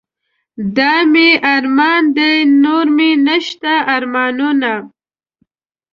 دا مې ارمان دے نور مې نشته ارمانونه